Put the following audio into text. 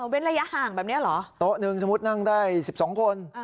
เว้นระยะห่างแบบนี้เหรอโต๊ะหนึ่งสมมุตินั่งได้๑๒คน